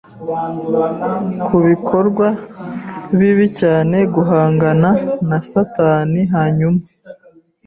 kubikorwa bibi cyane guhangana na Satani hanyuma